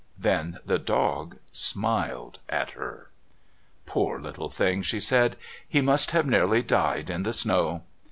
Then the dog smiled at her. "Poor little thing," she said. "He must have nearly died in the snow."